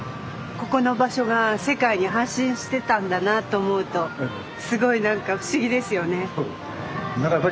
ここの場所が世界に発信してたんだなと思うとすごい何か不思議ですよね。